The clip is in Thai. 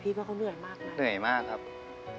คุณหมอบอกว่าเอาไปพักฟื้นที่บ้านได้แล้ว